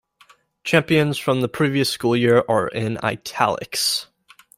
Champions from the previous school year are in "italics".